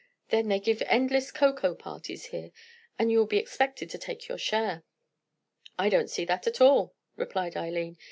Then they give endless cocoa parties here, and you will be expected to take your share." "I don't see that at all," replied Eileen.